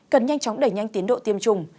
cần nhanh chóng đẩy nhanh tiến độ tiêm chủng